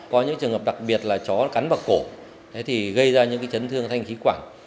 có những trường hợp đặc biệt là chó cắn vào cổ thì gây ra những chấn thương thanh khí quảng